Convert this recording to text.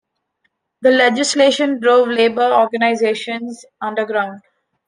The legislation drove labour organisations underground.